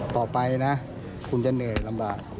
ต่อไปนะคุณจะเหนื่อยลำบาก